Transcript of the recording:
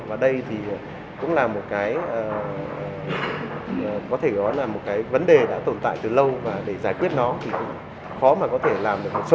và đây thì cũng là một cái vấn đề đã tồn tại từ lâu và để giải quyết nó thì khó mà có thể làm được một số một triệu